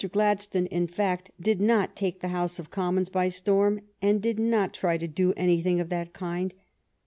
Gladstone, in fact, did not take the House of Commons by storm, and did not try to do anything of the kind.